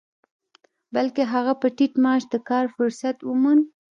بلکې هغه په ټيټ معاش د کار فرصت وموند.